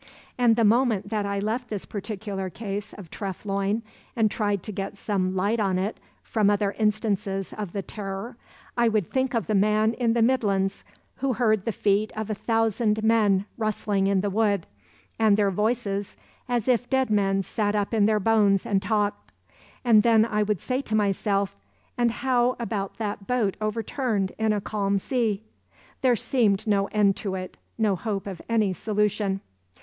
And the moment that I left this particular case of Treff Loyne, and tried to get some light on it from other instances of the Terror, I would think of the man in the midlands who heard the feet of a thousand men rustling in the wood, and their voices as if dead men sat up in their bones and talked. And then I would say to myself, 'and how about that boat overturned in a calm sea?' There seemed no end to it, no hope of any solution.